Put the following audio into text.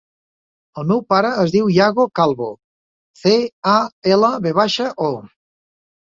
El meu pare es diu Iago Calvo: ce, a, ela, ve baixa, o.